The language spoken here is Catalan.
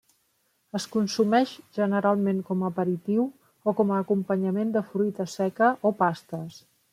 Es consumeix generalment com a aperitiu o com a acompanyament de fruita seca o pastes.